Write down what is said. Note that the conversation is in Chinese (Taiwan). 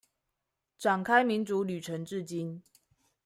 展開民主旅程至今